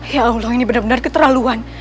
ya allah ini benar benar keterlaluan